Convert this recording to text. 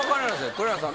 栗原さん